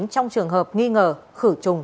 trong trường hợp nghi ngờ khử trùng